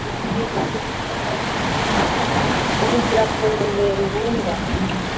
Uhugira ku ngurube rubunga: